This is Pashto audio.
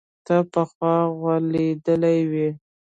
ته پخوا غولېدلى وي.